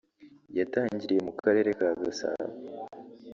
yatangiriye mu karere ka Gasabo